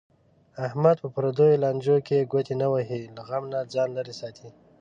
احمد په پردیو لانجو کې ګوتې نه وهي. له غم نه ځان لرې ساتي.